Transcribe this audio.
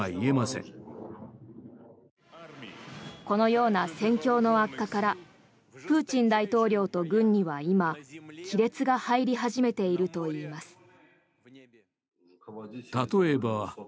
このような戦況の悪化からプーチン大統領と軍には今、亀裂が入り始めているといいます。